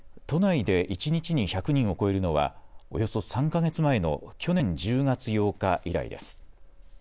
都内で一日に１００人を超えるのは、およそ３か月前の去年１０月８日以来です。